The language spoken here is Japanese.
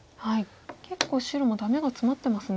結構白もダメがツマってますね。